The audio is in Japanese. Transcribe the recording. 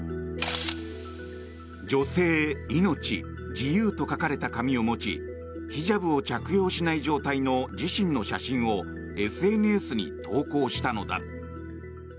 「女性、命、自由」と書かれた紙を持ちヒジャブを着用しない状態の自身の写真をＳＮＳに投稿したのだ。